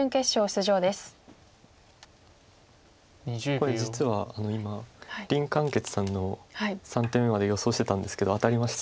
これ実は今林漢傑さんの３手目まで予想してたんですけど当たりました。